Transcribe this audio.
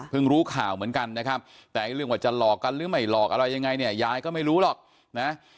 รู้ข่าวเหมือนกันนะครับแต่เรื่องว่าจะหลอกกันหรือไม่หลอกอะไรยังไงเนี่ยยายก็ไม่รู้หรอกนะ